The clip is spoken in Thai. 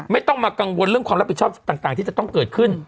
ไม่ต้องมากังวลเรื่องความรับผิดชอบต่างที่จะต้องเกิดขึ้น